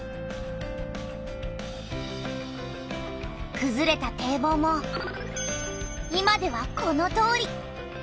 くずれた堤防も今ではこのとおり。